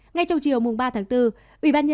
ngay trong chiều ba bốn ubnd thành phố đã họp